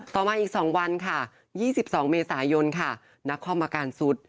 ต่อมาอีก๒วันค่ะ๒๒เมษายนค่ะนักคอมอาการสุด